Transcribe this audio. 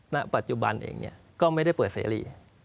ณปัจจุบันเองก็ไม่ได้เปิดเสรี